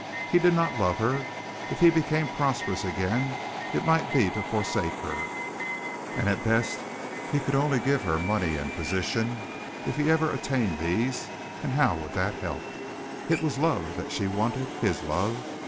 He did not love her. If he became prosperous again it might be to forsake her, and at best he could only give her money and position if he ever attained these, and how would that help? It was love that she wanted his love.